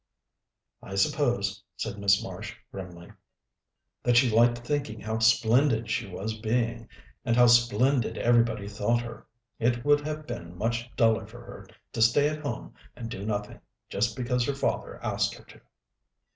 "I suppose," said Miss Marsh grimly, "that she liked thinking how splendid she was being, and how splendid everybody thought her. It would have been much duller for her to stay at home and do nothing, just because her father asked her to."